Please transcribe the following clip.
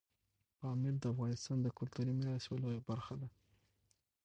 پامیر د افغانستان د کلتوري میراث یوه لویه برخه ده.